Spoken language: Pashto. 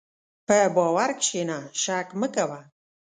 په باور کښېنه، شک مه کوه.